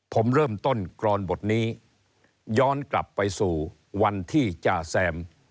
ผมเริ่มต้นกรอนบทนี้ย้อนกลับไปสู่วันที่จ่าแซม